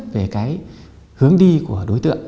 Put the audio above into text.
về cái hướng đi của đối tượng